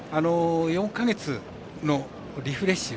４か月のリフレッシュ